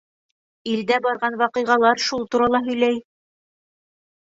Илдә барған ваҡиғалар шул турала һөйләй.